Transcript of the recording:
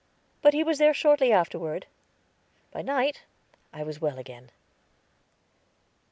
But he was there shortly afterward. By night I was well again. Dr.